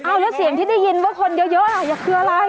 เอาแล้วเสียงที่ได้ยินว่าคนเยอะคืออะไร